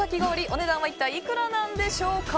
お値段は一体いくらなんでしょうか。